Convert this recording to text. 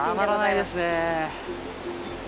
たまらないですね。